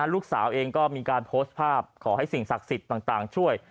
ลูกสาวเองก็มีการโพสต์ภาพขอให้สิ่งศักดิ์สิทธิ์ต่างช่วย